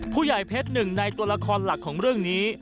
ผู้ใหญ่เพชรหนึ่งในตัวละครหลักของเรื่องนี้